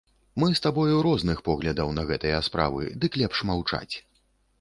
Мы з табою розных поглядаў на гэтыя справы, дык лепш маўчаць.